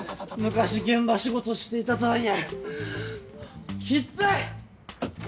昔現場仕事していたとはいえきっつい！